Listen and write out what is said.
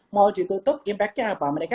mall ditutup impact nya apa mereka